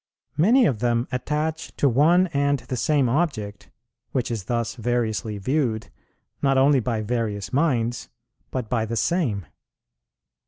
Many of them attach to one and the same object, which is thus variously viewed, not only by various minds, but by the same.